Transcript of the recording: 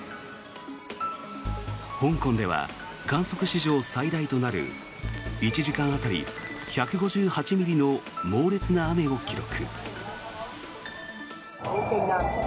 香港では観測史上最大となる１時間当たり１５８ミリの猛烈な雨を記録。